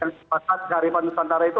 dan sepasat kearifan nusantara itu